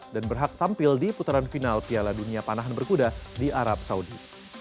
dan berhak tampil di putaran final piala dunia panahan berkuda di arab saudi